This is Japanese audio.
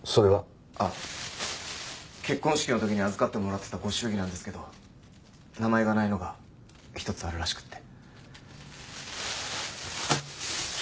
あっ結婚式の時に預かってもらってたご祝儀なんですけど名前がないのが１つあるらしくて。